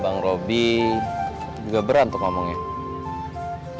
abang robby juga berantuk ngomongnya